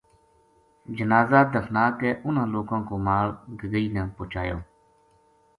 جنازہ دفنا کے اُناں لوکاں کو مال گگئی نا پہچایو